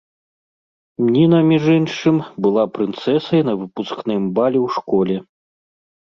Ніна, між іншым, была прынцэсай на выпускным балі ў школе.